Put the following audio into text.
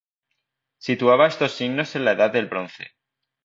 Situaba estos signos en la Edad del Bronce.